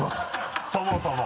そもそも。